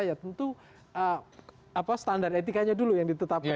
ya tentu standar etikanya dulu yang ditetapkan